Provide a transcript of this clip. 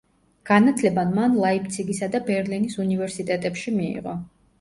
განათლება მან ლაიფციგისა და ბერლინის უნივერსიტეტებში მიიღო.